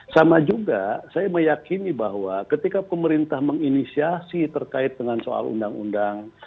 sama juga saya meyakini bahwa ketika pemerintah menginisiasi terkait dengan soal undang undang